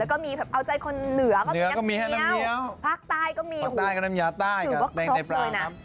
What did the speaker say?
แล้วก็มีแบบเอาใจคนเหนือก็มีน้ำภาคใต้ก็มีภาคใต้ก็น้ำยาใต้กับในปลายน้ำ